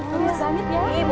ini buat kamu nih bu